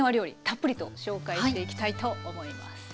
たっぷりと紹介していきたいと思います。